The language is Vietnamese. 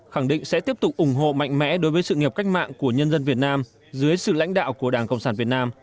khẳng định sẽ tiếp tục ủng hộ mạnh mẽ đối với sự nghiệp cách mạng của nhân dân việt nam dưới sự lãnh đạo của đảng cộng sản việt nam